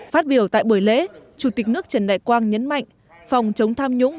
phát biểu tại buổi lễ chủ tịch nước trần đại quang nhấn mạnh phòng chống tham nhũng